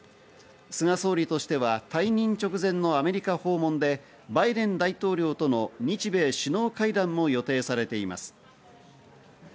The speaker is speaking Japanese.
菅総理としては退任直前のアメリカ訪問で、バイデン大統領との日米首脳会談も予定されています。